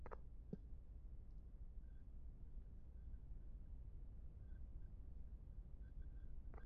ঈশ্বর-সম্বন্ধে প্রচলিত যাবতীয় মনোভাবকে তিনি অস্বীকার করেছিলেন।